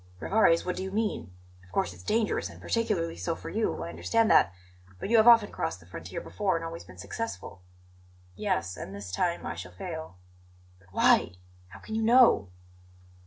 "Rivarez, what do you mean? Of course it's dangerous, and particularly so for you; I understand that; but you have often crossed the frontier before and always been successful." "Yes, and this time I shall fail." "But why? How can you know?"